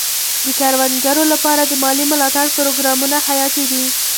د کروندګرو لپاره د مالي ملاتړ پروګرامونه حیاتي دي.